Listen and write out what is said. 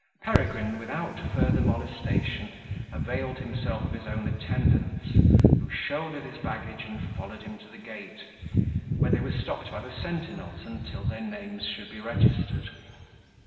Peregrine, without further molestation, availed himself of his own attendants, who shouldered his baggage and followed him to the gate, where they were stopped by the sentinels until their names should be registered.